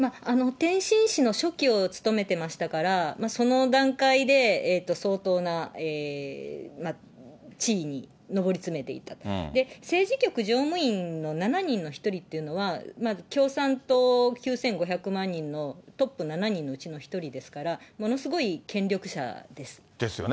天津市の書記を務めてましたから、その段階で相当な地位に上り詰めていたと、政治局常務委員の７人の１人というのは、共産党９５００万人のトップ７人のうちの１人ですから、ものすごですよね。